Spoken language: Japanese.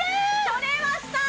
取れましたー！